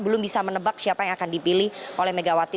belum bisa menebak siapa yang akan dipilih oleh megawati